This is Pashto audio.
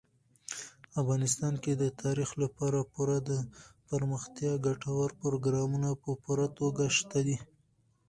افغانستان کې د تاریخ لپاره پوره دپرمختیا ګټور پروګرامونه په پوره توګه شته دي.